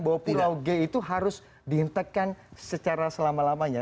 bahwa pulau g itu harus dihentikan secara selama lamanya